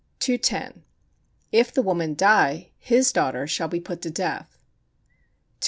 210. If the woman die, his daughter shall be put to death. 211.